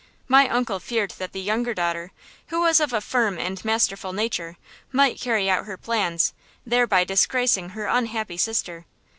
My uncle feared that the younger daughter, who was of a firm and masterful nature, might carry out her plans, thereby disgracing her unhappy sister.